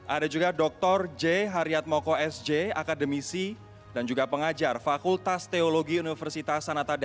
ada juga doktor j haryatmoko sj akademisi dan juga pengajar fakultas teologi universitas sanata dharma yudhaya